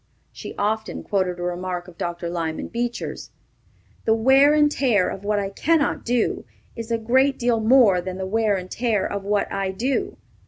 She often quoted a remark of Dr. Lyman Beecher's, "The wear and tear of what I cannot do is a great deal more than the wear and tear of what I do."